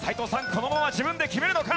このまま自分で決めるのか？